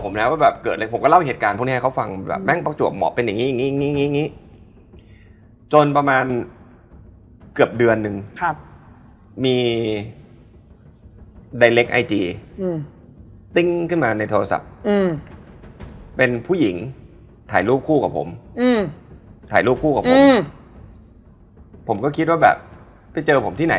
หนูก็ว่าเขารอมาเกิดบอกไม่ใช่